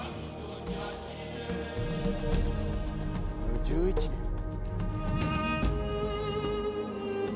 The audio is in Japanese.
「もう１１年や」